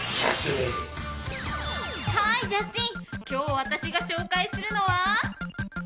今日私が紹介するのは。